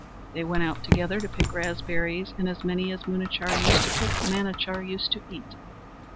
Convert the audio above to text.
They went out together to pick raspberries, and as many as Munachar used to pick Manachar used to eat.